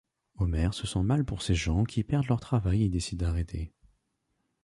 Homer se sent mal pour ces gens qui perdent leur travail et décide d'arrêter.